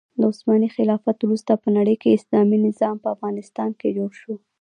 د عثماني خلافت وروسته په نړۍکې اسلامي نظام په افغانستان کې جوړ شو.